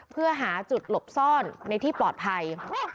เพื่อหาจุดหลบซ่อนในที่ปลอดภัย